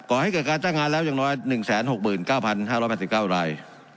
ให้เกิดการจ้างงานแล้วอย่างน้อย๑๖๙๕๘๙ราย